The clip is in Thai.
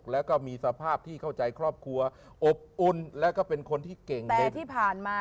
แล้วก็มีสภาพที่เข้าใจครอบครัวอบอุ่นแล้วก็เป็นคนที่เก่งแต่ที่ผ่านมา